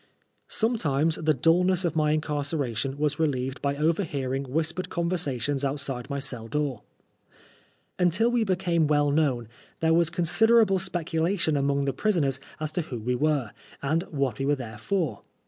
Sometimes the dnlness of my incarceration was re Heved by overhearing whispered conversations outside my cell door. Until we became well known, there was considerable speculation among the prisoners as to who we were, and what we were there for.